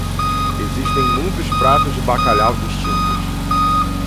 Existem muitos pratos de bacalhau distintos.